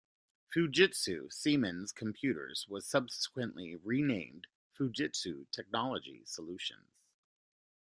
Fujitsu Siemens Computers was subsequently renamed Fujitsu Technology Solutions.